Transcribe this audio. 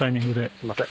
すいません。